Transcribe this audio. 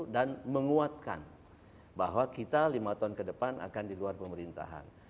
dan menguatkan bahwa kita lima tahun ke depan akan di luar pemerintahan